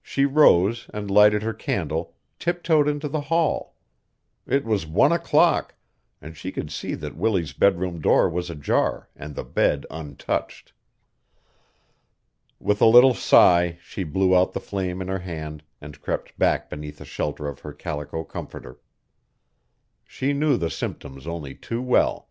She rose, and lighting her candle, tip toed into the hall. It was one o'clock, and she could see that Willie's bedroom door was ajar and the bed untouched. With a little sigh she blew out the flame in her hand and crept back beneath the shelter of her calico comforter. She knew the symptoms only too well.